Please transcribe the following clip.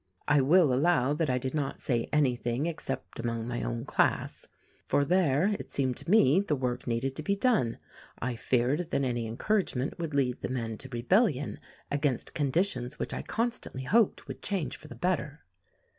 I will allow that I did not say any thing except among my own class; for there, it seemed to me, the work needed to be done; I feared that any encour agement would lead the men to rebellion against conditions which I constantly hoped would change for the better.